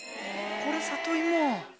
これ里芋。